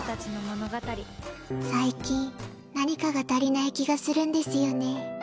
最近、何かが足りない気がするんですよね。